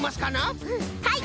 はい！